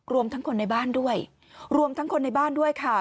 รวมทั้งคนในบ้านด้วยรวมทั้งคนในบ้านด้วยค่ะ